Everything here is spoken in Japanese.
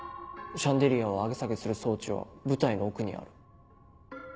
シャンデリアを上げ下げする装置は舞台の奥にある。